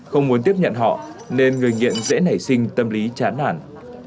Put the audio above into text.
không muốn tiếp nhận họ nên người nghiện dễ nảy sinh tâm lý chán nản